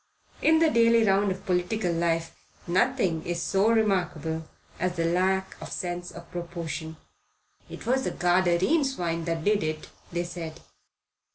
In the daily round of political life nothing is so remarkable as the lack of sense of proportion. "It was the Gadarene swine that did it," they said.